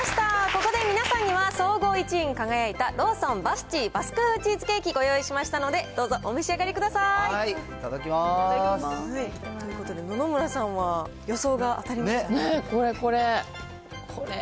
ここで皆さんには、総合１位に輝いたローソンバスチーバスク風チーズケーキ、ご用意しましたので、どうぞお召し上がりください。ということで野々村さんは、これこれ。